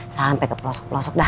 sampai ke pelosok pelosok dah